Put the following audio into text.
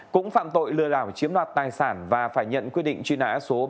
cũng phạm tội lừa đảo chiếm đoạt tài sản và phải nhận quyết định truy nã số ba mươi